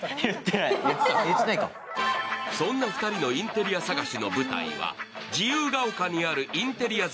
そんな２人のインテリア探しの舞台は自由が丘にあるインテリア